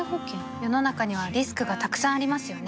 世の中にはリスクがたくさんありますよね